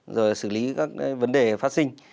rồi xử lý các vấn đề phát sinh